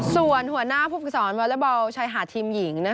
ส่วนหัวหน้าภูมิสอนวอร์ละบอลชายหาดทีมหญิง